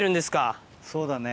そうだね。